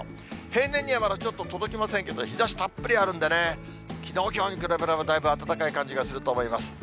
平年にはまだちょっと届きませんけど、日ざしたっぷりあるんでね、きのう、きょうに比べればだいぶ暖かい感じがすると思います。